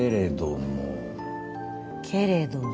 けれども。